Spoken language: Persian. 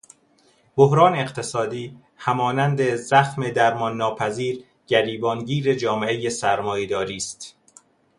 بحران اقتصادی همانند زخم درمان ناپذیر گریبان گیر جامعهُ سرمایه داری است.